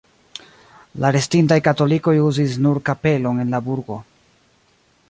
La restintaj katolikoj uzis nur kapelon en la burgo.